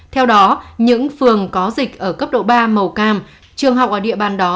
theo đó những phường có dịch ở cấp độ ba màu cam trường học ở địa bàn đó